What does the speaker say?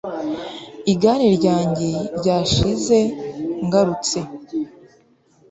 Igare ryanjye ryashize ngarutse